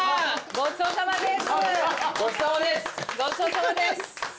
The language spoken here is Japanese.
ごちそうさまです。